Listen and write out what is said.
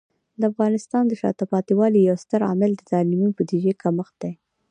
د افغانستان د شاته پاتې والي یو ستر عامل د تعلیمي بودیجه کمښت دی.